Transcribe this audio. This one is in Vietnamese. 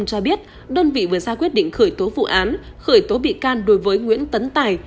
cho biết đơn vị vừa ra quyết định khởi tố vụ án khởi tố bị can đối với nguyễn tấn tài